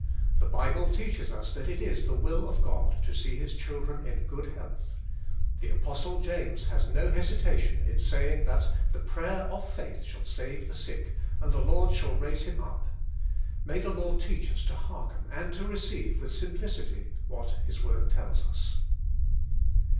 The Bible teaches ns that it is the will ot Gad to see His children ill !;imf] ll.Tlllli. '['In Apnsllc .lames has no hesitation in saying that "the prayer or failh shall save the sick, and the Lord shall raise him up." May the Lord teach DIVINE IIEAUNO, us to hearken and to receive with sim plicity what His Word tells us!